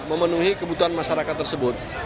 memenuhi kebutuhan masyarakat tersebut